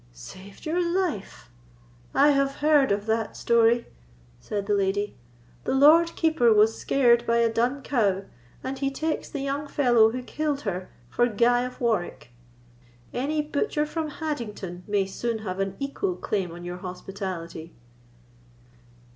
"Saved your life! I have heard of that story," said the lady. "The Lord Keeper was scared by a dun cow, and he takes the young fellow who killed her for Guy of Warwick: any butcher from Haddington may soon have an equal claim on your hospitality."